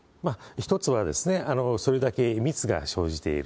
１つはですね、それだけ密が生じている。